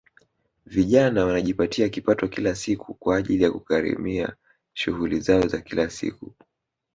Vijana wanajipatia kipato kila siku kwa ajili ya kugharimia shughuli zao za kila siku